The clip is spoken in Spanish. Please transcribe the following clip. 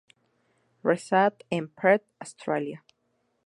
Reside en Perth, Australia.